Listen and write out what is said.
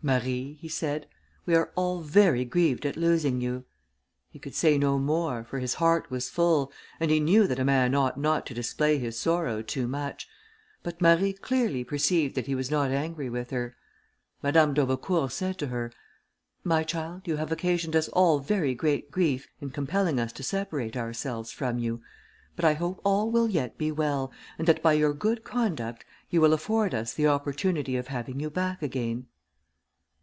"Marie," he said, "we are all very grieved at losing you." He could say no more, for his heart was full, and he knew that a man ought not to display his sorrow too much, but Marie clearly perceived that he was not angry with her. Madame d'Aubecourt said to her, "My child, you have occasioned us all very great grief in compelling us to separate ourselves from you, but I hope all will yet be well, and that by your good conduct you will afford us the opportunity of having you back again."